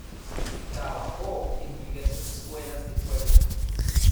Trabajó en diversas escuelas de Puebla.